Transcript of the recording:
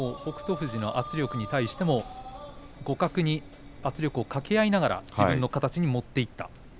富士の圧力に対しても互角に圧力をかけ合いながら自分の形に持っていった。